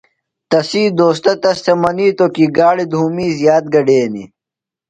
تسی دوستہ تس تھےۡ منِیتوۡ کی گاڑیۡ دُھومی زیات گڈینیۡ۔